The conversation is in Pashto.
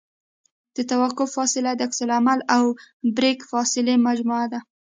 د توقف فاصله د عکس العمل او بریک فاصلې مجموعه ده